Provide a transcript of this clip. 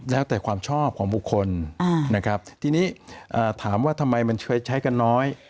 แล้วแต่ความชอบของบุคคลนะครับทีนี้ถามว่าทำไมมันใช้กันน้อย